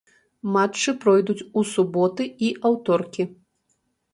Матчы пройдуць у суботы і аўторкі.